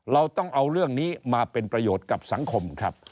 เราต้องเอาเรื่องนี้มาเป็นประโยชน์กับสังคมครับ